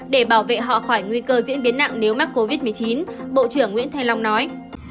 để bảo vệ họ khỏi nguy cơ diễn biến nặng nếu mắc covid một mươi chín bộ trưởng nguyễn thanh long nói